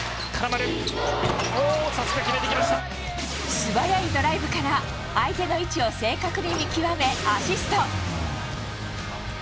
素早いドライブから相手の位置を正確に見極めアシスト。